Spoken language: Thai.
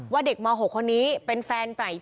ว่าเด็กเมา๖คนนี้เป็นแฟนไหน